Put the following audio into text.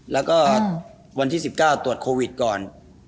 แล้วก็วันที่๑๙ตรวจโควิดก่อน